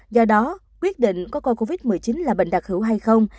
do đó quyết định có coi covid một mươi chín là bệnh đặc hữu hay không